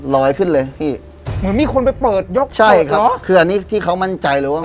ลอยขึ้นเลยพี่เหมือนมีคนไปเปิดยกใช่ครับอ๋อคืออันนี้ที่เขามั่นใจเลยว่า